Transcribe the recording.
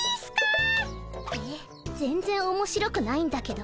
えっ全然面白くないんだけど。